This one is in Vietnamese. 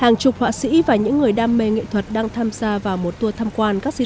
hàng chục họa sĩ và những người đam mê nghệ thuật đang tham gia vào một tour tham quan các di